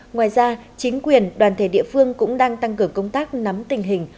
ngoài ra chính quyền đoàn thể địa phương cũng đang tăng cường công tác nắm tình hình